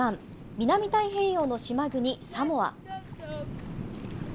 南太平洋の島国、サモア。